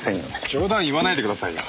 冗談言わないでくださいよ。